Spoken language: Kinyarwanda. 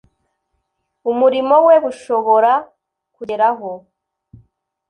umurimo we bushobora kugeraho.